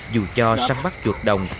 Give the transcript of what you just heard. dù cho săn bắt chuột đồng